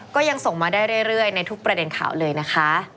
ก็ยังส่งมาได้เรื่อยในทุกประเด็นข่าวเลยนะคะ